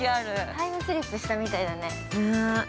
◆タイムスリップしたみたいだね。